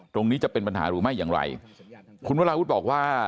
ตรงนี้จะเป็นปัญหาหรือไม่อย่างไรคุณวราวุฒิบอกว่า